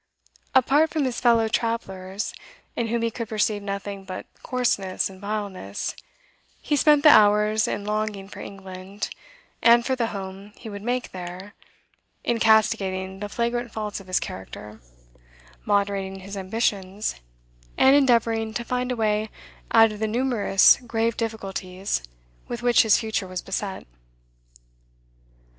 Apart from his fellow travellers, in whom he could perceive nothing but coarseness and vileness, he spent the hours in longing for England and for the home he would make there, in castigating the flagrant faults of his character, moderating his ambitions, and endeavouring to find a way out of the numerous grave difficulties with which his future was beset.